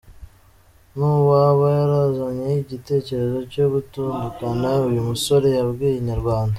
n'uwaba yarazanye igitekerezo cyo gutandukana uyu musore yabwiye Inyarwanda.